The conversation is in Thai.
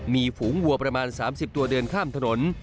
มีฝูงวัวประมาณ๓๐ตัวเดินข้ามถนน